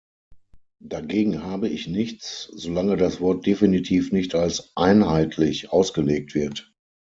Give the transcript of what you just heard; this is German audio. Dagegen habe ich nichts, solange das Wort definitiv nicht als "einheitlich" ausgelegt wird.